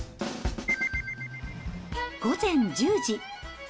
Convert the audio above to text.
午前１０時。